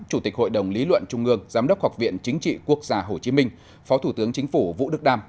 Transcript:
chủ tịch hội đồng lý luận trung ương giám đốc học viện chính trị quốc gia hồ chí minh phó thủ tướng chính phủ vũ đức đam